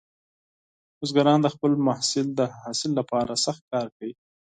بزګران د خپل محصول د حاصل لپاره سخت کار کاوه.